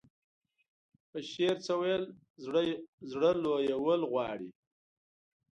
په شعر څه ويل زړه لويول غواړي.